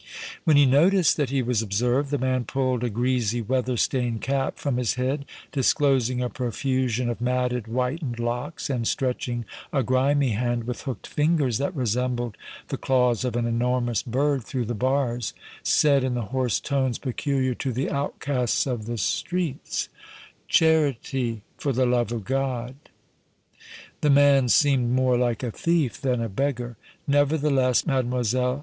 When he noticed that he was observed, the man pulled a greasy, weather stained cap from his head, disclosing a profusion of matted, whitened locks, and, stretching a grimy hand, with hooked fingers that resembled the claws of an enormous bird, through the bars, said, in the hoarse tones peculiar to the outcasts of the streets: "Charity, for the love of God!" The man seemed more like a thief than a beggar. Nevertheless, Mlle.